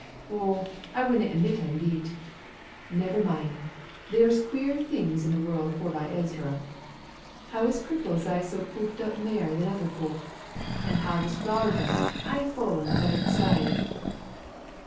"Oh, I winna admit I'm beat. Never mind, there's queer things in the world forby Ezra. How is cripples aye so puffed up mair than other folk? How does flour bread aye fall on the buttered side?"